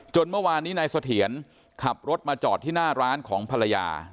เมื่อวานนี้นายเสถียรขับรถมาจอดที่หน้าร้านของภรรยา